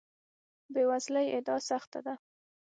بې وزلۍ ادعا سخت ده.